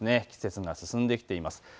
季節が進んできています。